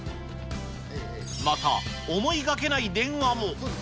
また思いがけない電話も。